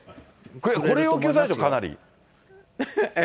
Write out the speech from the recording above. これを要求されるでしょ、かなり。